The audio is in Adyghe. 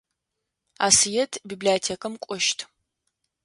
Асыет библиотекэм кӏощт.